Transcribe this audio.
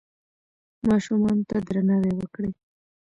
ماشومانو ته درناوی وکړئ.